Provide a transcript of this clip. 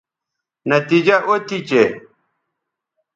نتیجہ او تھی چہء